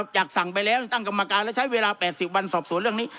สั่งไปแล้วตั้งกรรมการแล้วใช้เวลา๘๐วันสอบสวนเรื่องนี้